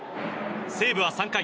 西武は３回。